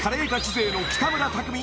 勢の北村匠海